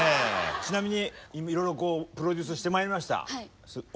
ちなみにいろいろプロデュースしてまいりました。